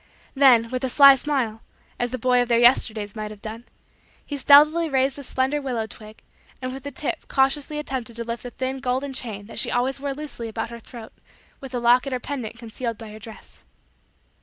Then, with a sly smile, as the boy of their Yesterdays might have done, he stealthily raised the slender willow twig and with the tip cautiously attempted to lift the thin golden chain that she always wore loosely about her throat with the locket or pendant concealed by her dress.